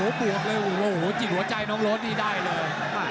บวกเลยโอ้โหจิตหัวใจน้องโรดนี่ได้เลย